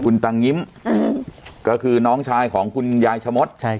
คุณตังยิ้มก็คือน้องชายของคุณยายชะมดใช่